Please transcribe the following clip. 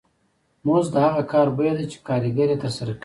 مزد د هغه کار بیه ده چې کارګر یې ترسره کوي